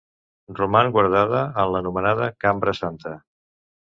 Roman guardada en l'anomenada Cambra Santa.